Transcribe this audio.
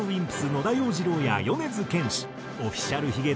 野田洋次郎や米津玄師Ｏｆｆｉｃｉａｌ髭男